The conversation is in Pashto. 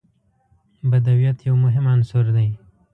بدویت یو مهم عنصر دی.